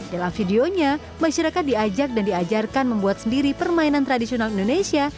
dalam videonya masyarakat diajak dan diajarkan membuat sendiri permainan tradisional indonesia